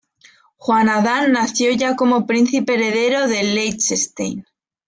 Juan Adán nació ya como príncipe heredero de Liechtenstein.